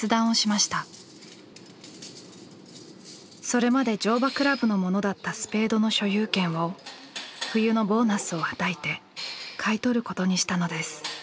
それまで乗馬倶楽部のものだったスペードの所有権を冬のボーナスをはたいて買い取ることにしたのです。